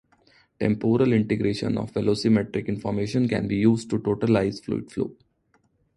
Temporal integration of velocimetric information can be used to totalize fluid flow.